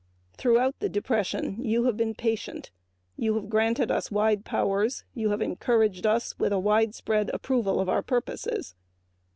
Throughout the depression you have been patient. You have granted us wide powers; you have encouraged us with a widespread approval of our purposes.